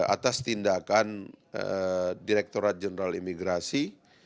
atas tindakan direkturat jenderal imigrasi